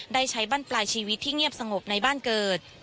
ได้ใช้บ้านปลายชีวิตที่เงียบสงบในบ้านเกิด